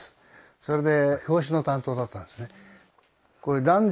それで表紙の担当だったんですね。